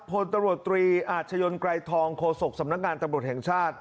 พลตำรวจตรีอาชญนไกรทองโฆษกสำนักงานตำรวจแห่งชาติ